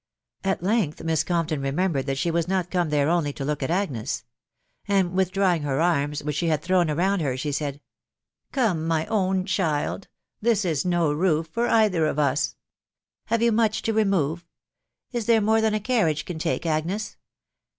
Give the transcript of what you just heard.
At length Miss Compton remembered that she was not come there only to look at Agnes ; and withdrawing her Arms, which she had thrown around her, she said, ..••" Come, mj own child .... this is no roof for either of us. Have you much to remove ? Is there more than a carriage can take, Agnes